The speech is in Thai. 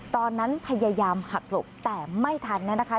พยายามหักหลบแต่ไม่ทันนะคะ